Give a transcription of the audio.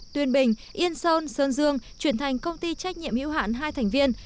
tuyên bình yên sơn sơn dương chuyển thành công ty trách nhiệm hữu hạn hai thành viên